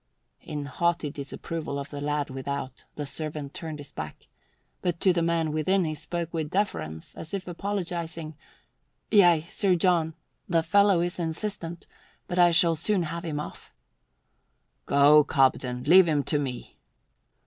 In haughty disapproval of the lad without, the servant turned his back, but to the man within he spoke with deference, as if apologizing. "Yea, Sir John. The fellow is insistent, but I shall soon have him off." "Go, Cobden. Leave him to me."